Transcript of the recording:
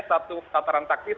satu tataran taktis